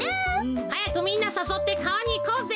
はやくみんなさそってかわにいこうぜ。